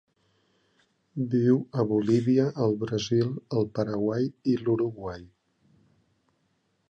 Viu a Bolívia, el Brasil, el Paraguai i l'Uruguai.